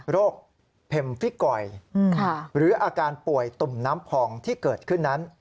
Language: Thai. เค็มฟิกอยหรืออาการป่วยตุ่มน้ำพองที่เกิดขึ้นนั้น